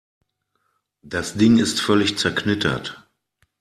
Das Ding ist völlig zerknittert.